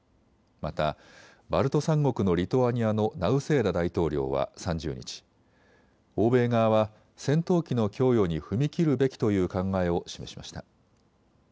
またバルト三国のリトアニアのナウセーダ大統領は３０日、欧米側は戦闘機の供与に踏み切るべきという考えを示しました。